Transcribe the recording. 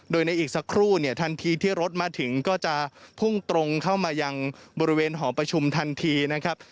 โดยในอีกสักครู่เนี่ยทันทีที่รถมาถึงก็จะพุ่งตรงเข้ามายังบริเวณหอประชุมทันทีนะครับ